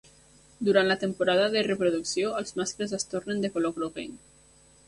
Durant la temporada de reproducció els mascles es tornen de color groguenc.